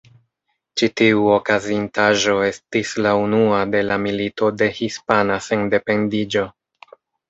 Ĉi tiu okazintaĵo estis la unua de la Milito de Hispana Sendependiĝo.